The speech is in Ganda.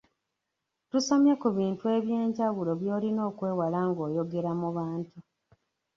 Tusomye ku bintu eby’enjawulo by’olina okwewala ng’oyogera mu bantu.